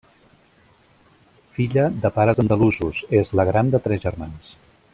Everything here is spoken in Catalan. Filla de pares andalusos, és la gran de tres germans.